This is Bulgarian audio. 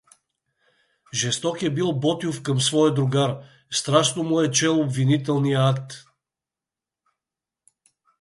Жесток е бил Ботйов към своя другар, страстно му е чел обвинителния акт.